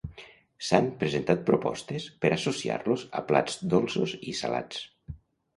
S'han presentat propostes per associar-los a plats dolços i salats.